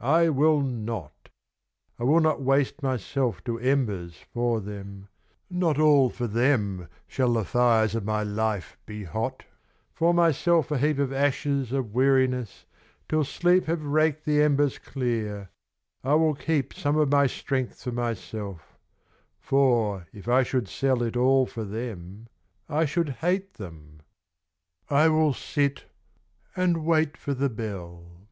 I will not! I will not waste myself to embers for them, Not all for them shall the fires of my life be hot, For myself a heap of ashes of weariness, till sleep Shall have raked the embers clear: I will keep Some of my strength for myself, for if I should sell It all for them, I should hate them I will sit and wait for the bell.